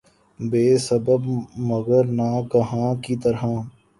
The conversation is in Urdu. بے سبب مرگ ناگہاں کی طرح